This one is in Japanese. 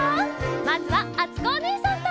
まずはあつこおねえさんと！